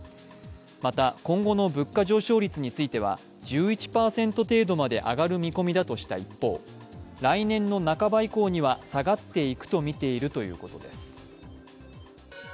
また、今後の物価上昇率については１１％程度まで上がる見込みだとした一方、来年の半ば以降には下がっていくとみているということです。